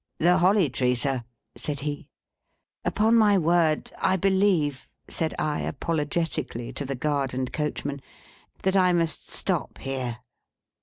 "The Holly Tree, sir," said he. "Upon my word, I believe," said I, apologetically, to the guard and coachman, "that I must stop here."